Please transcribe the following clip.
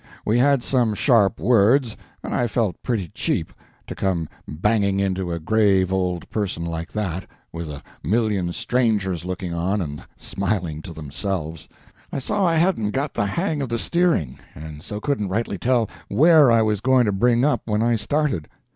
We had some sharp words, and I felt pretty cheap, to come banging into a grave old person like that, with a million strangers looking on and smiling to themselves. I saw I hadn't got the hang of the steering, and so couldn't rightly tell where I was going to bring up when I started.